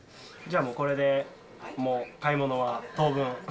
じゃあもう、これでもう買い物は当分？